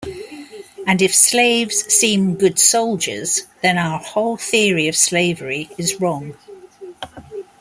And if slaves seem good soldiers, then our whole theory of slavery is wrong.